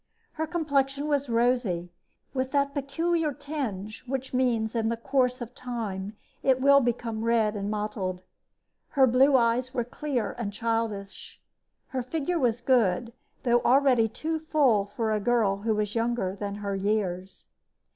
Her complexion was rosy, with that peculiar tinge which means that in the course of time it will become red and mottled. Her blue eyes were clear and childish. Her figure was good, though already too full for a girl who was younger than her years.